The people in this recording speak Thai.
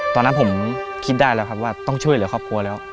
ตอนนั้นผมคิดได้แล้วครับว่าต้องช่วยเหลือครอบครัวแล้ว